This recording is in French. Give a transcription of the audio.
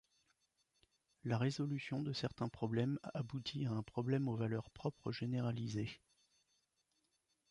La résolution de certains problèmes aboutit à un problème aux valeurs propres généralisé.